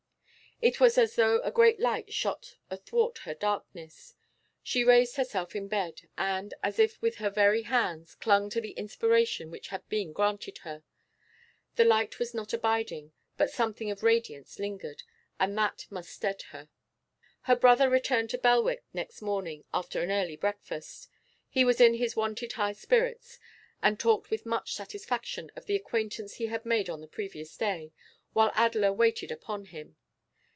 It was as though a great light shot athwart her darkness. She raised herself in bed, and, as if with her very hands, clung to the inspiration which had been granted her. The light was not abiding, but something of radiance lingered, and that must stead her. Her brother returned to Belwick next morning after an early breakfast. He was in his wonted high spirits, and talked with much satisfaction of the acquaintances he had made on the previous day, while Adela waited upon him.